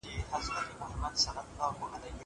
زه به بازار ته تللی وي.